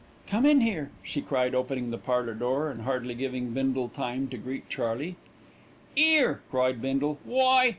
"Come in here," she cried, opening the parlour door, and hardly giving Bindle time to greet Charley. "'Ere," cried Bindle, "why